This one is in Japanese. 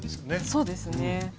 そうですね。